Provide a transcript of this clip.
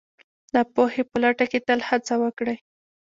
د پوهې په لټه کې تل هڅه وکړئ